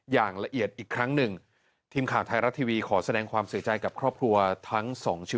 อย่างละเอียดอีกครั้งหนึ่ง